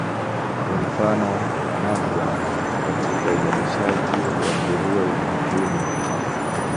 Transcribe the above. Ni mfano wa nadra katika uzalishaji wa nguruwe ulimwenguni.